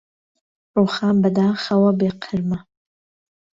ڕووخان بەداخەوە بێ قرمە